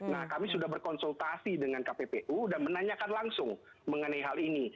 nah kami sudah berkonsultasi dengan kppu dan menanyakan langsung mengenai hal ini